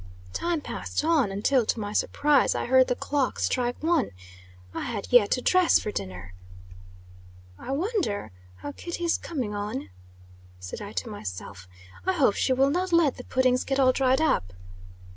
Time passed on until, to my surprise, I heard the clock strike one. I had yet to dress for dinner. "I wonder how Kitty is coming on?" said I to myself. "I hope she will not let the puddings get all dried up."